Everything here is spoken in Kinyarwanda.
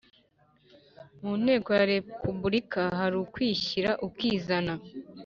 mu ntego ya repubulika hari mo kwishyira ukizana